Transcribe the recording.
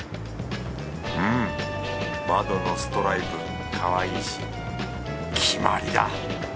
うん窓のストライプかわいいし決まりだ。